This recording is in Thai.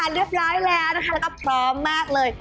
เรียบร้อยแล้วนะคะแล้วก็พร้อมมากเลย